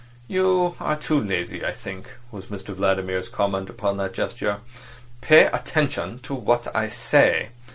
"You are too lazy to think," was Mr Vladimir's comment upon that gesture. "Pay attention to what I say.